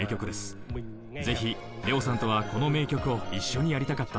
ぜひＬＥＯさんとはこの名曲を一緒にやりたかったんです。